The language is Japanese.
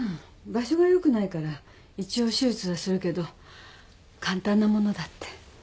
場所が良くないから一応手術はするけど簡単なものだって。